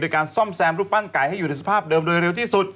โดยการซ่อมแซมรูปปั้นไก่ให้อยู่ในสภาพเดิมโดยเร็วที่สุด